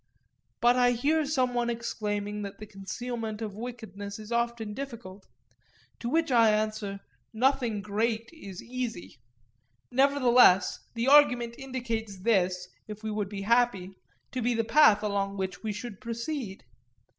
But I hear some one exclaiming that the concealment of wickedness is often difficult; to which I answer, Nothing great is easy. Nevertheless, the argument indicates this, if we would be happy, to be the path along which we should proceed.